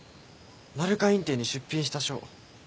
鳴華院展に出品した書。